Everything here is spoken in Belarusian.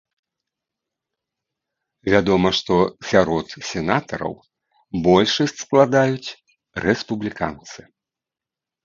Вядома, што сярод сенатараў большасць складаюць рэспубліканцы.